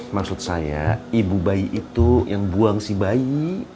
maksud saya ibu bayi itu yang buang si bayi